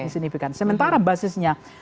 signifikan sementara basisnya